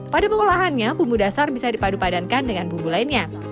pada pengolahannya bumbu dasar bisa dipadu padankan dengan bumbu lainnya